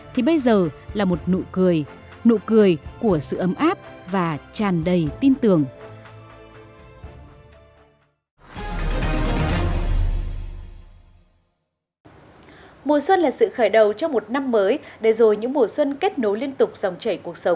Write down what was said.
thì bây giờ là một nụ cười nụ cười của sự ấm áp và hạnh phúc